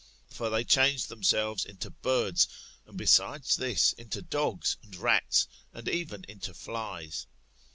For they change themselves into birds, and besides this, into dogs and rats, and even into flies.